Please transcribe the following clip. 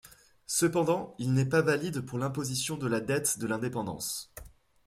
Cependant, il n'est pas valide pour l’imposition de la dette de l’indépendance.